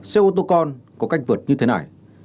xe ô tô con có cách vượt như thế này